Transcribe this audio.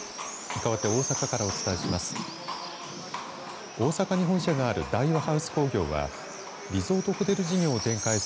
かわって大阪からお伝えします。